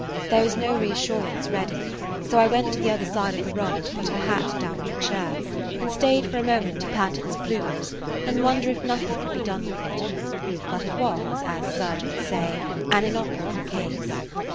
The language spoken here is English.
There was no reassurance ready, so I went to the other side of the room to put her hat down on a chair, and stayed for a moment to pat its plumes and wonder if nothing could be done with it. But it was, as surgeons say, an inoperable case.